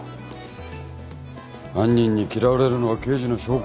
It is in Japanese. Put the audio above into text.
犯人に嫌われるのは刑事の証拠。